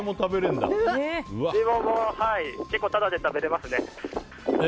結構、タダで食べれますね。